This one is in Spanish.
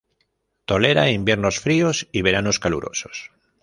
Tolera inviernos fríos y veranos calurosos.